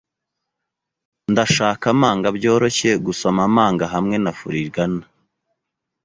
Ndashaka manga byoroshye-gusoma-manga hamwe na furigana.